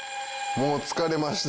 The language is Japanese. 「もう疲れました」。